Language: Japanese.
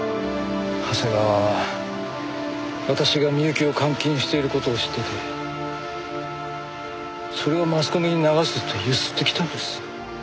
長谷川は私が美雪を監禁している事を知っていてそれをマスコミに流すとゆすってきたんです。